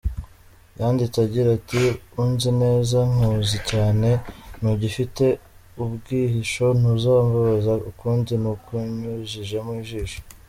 Yanditse agira ati “Unzi neza nkuzi cyane ntugifite ubwihisho ntuzambabaza ukundi nakunyujijemo ijisho.